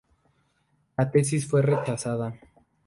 La tesis fue rechazada.